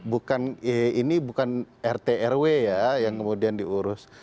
bukan ini bukan rt rw ya yang kemudian diurus